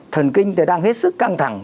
thần kinh thì đang hết sức căng thẳng